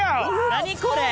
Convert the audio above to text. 何これ。